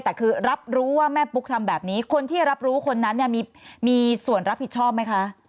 แต่คือรับรู้ว่าแม่ปุ๊กทำแบบนี้คนที่รับรู้คนนั้นเนี่ยมีส่วนรับผิดชอบไหมคะ